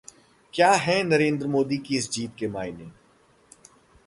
क्या हैं नरेंद्र मोदी की इस जीत के मायने?